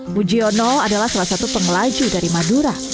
mujiono adalah salah satu pengelaju dari madura